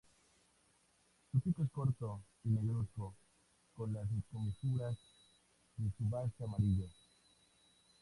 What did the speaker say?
Su pico es corto y negruzco, con las comisuras de su base amarillas.